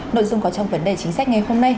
nội dung có trong vấn đề chính sách ngày hôm nay